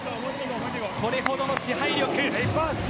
これほどの支配力。